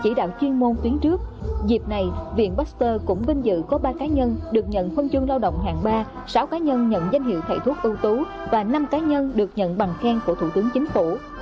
hôm tuyến trước dịp này viện baxter cũng vinh dự có ba cá nhân được nhận phân chương lao động hàng ba sáu cá nhân nhận danh hiệu thầy thuốc ưu tú và năm cá nhân được nhận bằng khen của thủ tướng chính phủ